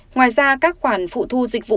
ngoài ra các khoản phụ thu dịch vụ